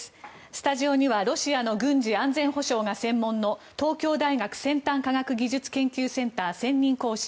スタジオにはロシアの軍事・安全保障が専門の東京大学先端科学技術研究センター専任講師